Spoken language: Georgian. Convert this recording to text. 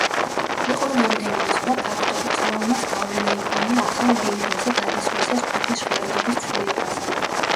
იყო რამდენიმე სხვა ფაქტორიც, რომელმაც გავლენა იქონია ახალ ლეიბლზე გადასვლისას ჯგუფის ჟღერადობის ცვლილებაზე.